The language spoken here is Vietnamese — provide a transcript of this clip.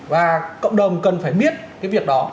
và cộng đồng cần phải biết cái việc đó